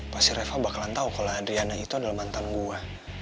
pasti reva bakalan tahu kalau adriana itu adalah mantan gua